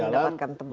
dan mendapatkan tempat